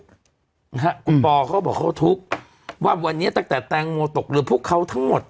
นะฮะคุณปอเขาบอกเขาทุกข์ว่าวันนี้ตั้งแต่แตงโมตกเรือพวกเขาทั้งหมด